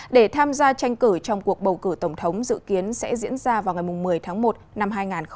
để tham gia tranh cử trong cuộc bầu cử tổng thống dự kiến sẽ diễn ra vào ngày một mươi tháng một năm hai nghìn hai mươi